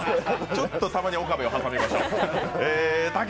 ちょっと、たまに岡部を挟みましょう。